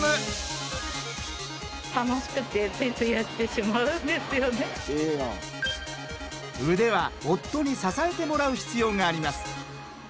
はまっているのが腕は夫に支えてもらう必要があります。